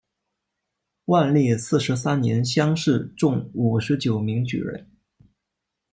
万历四十三年乡试中五十九名举人。